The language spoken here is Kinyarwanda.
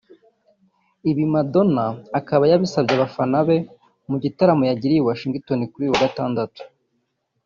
Ibi Madonna akaba yabisabye abafana be mu gitaramo yagiriye i Washington kuri uyu wa Gatandatu